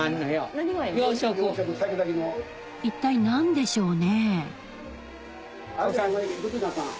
一体何でしょうね？